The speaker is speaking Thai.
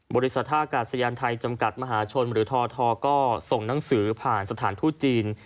บริษัทท่ากาศยานไทยจำกัดมหาชนหรือททก็ส่งหนังสือผ่านสถานทูตจีน